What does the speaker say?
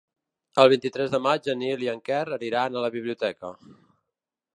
El vint-i-tres de maig en Nil i en Quer aniran a la biblioteca.